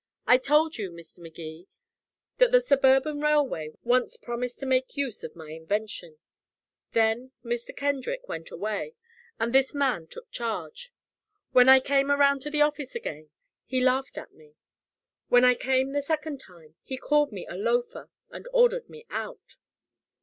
I told you, Mr. Magee, that the Suburban Railway once promised to make use of my invention. Then Mr. Kendrick went away and this man took charge. When I came around to the offices again he laughed at me. When I came the second time, he called me a loafer and ordered me out."